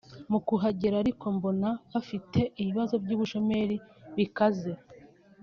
mu kuhagera ariko mbona bafite ibibazo by’ubushomeri bikaze